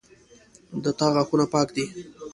د تا غاښونه پاک دي